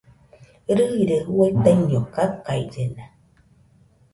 Rɨire juaɨ taiño kakaillena